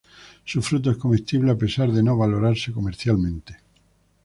Su fruto es comestible a pesar de no valorarse comercialmente.